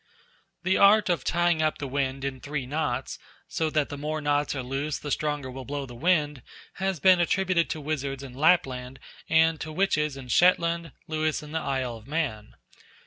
The art of tying up the wind in three knots, so that the more knots are loosed the stronger will blow the wind, has been attributed to wizards in Lappland and to witches in Shetland, Lewis, and the Isle of Man.